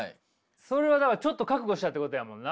それはちょっと覚悟しちゃうってことやもんな。